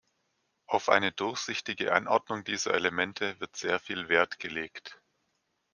Auf eine durchsichtige Anordnung dieser Elemente wird sehr viel Wert gelegt.